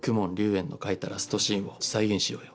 炎の書いたラストシーンを再現しようよ。